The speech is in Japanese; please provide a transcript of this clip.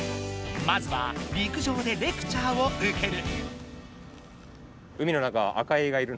まずは陸上でレクチャーをうける。